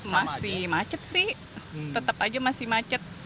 masih macet sih tetap aja masih macet